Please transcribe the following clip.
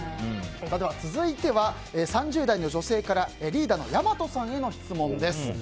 続いては、３０代の女性からリーダーのやまとさんへの質問です。